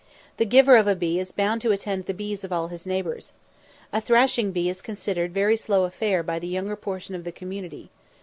The giver of a "bee" is bound to attend the "bees" of all his neighbours. A "thrashing bee" is considered a very "slow affair" by the younger portion of the community.